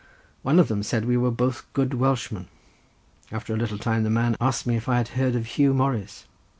One of them said we were both good Welshmen. After a little time the man asked me if I had heard of Huw Morris.